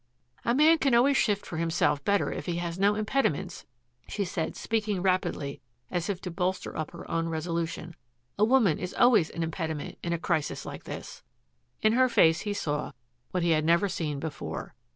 "A man can always shift for himself better if he has no impediments," she said, speaking rapidly as if to bolster up her own resolution. "A woman is always an impediment in a crisis like this." In her face he saw what he had never seen before.